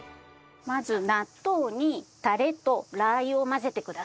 まず納豆にタレとラー油を混ぜてください。